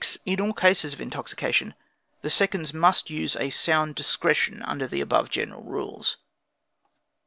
In all cases of intoxication, the seconds must use a sound discretion under the above general rules.